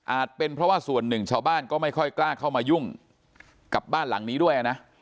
เป็นเพราะว่าส่วนหนึ่งชาวบ้านก็ไม่ค่อยกล้าเข้ามายุ่งกับบ้านหลังนี้ด้วยนะ